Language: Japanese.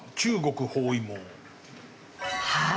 はい。